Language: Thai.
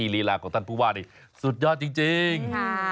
ลีลาของท่านผู้ว่านี่สุดยอดจริง